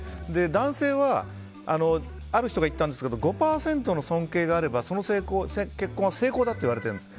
男性はある人が言ってたんですけど５％の尊敬があれば、その結婚は成功だといわれているんです。